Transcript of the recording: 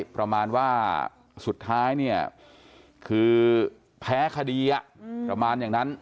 ประมาณว่าสุดท้ายเนี่ยคือแพ้คดีประมาณอย่างนั้น